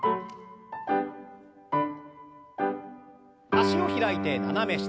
脚を開いて斜め下。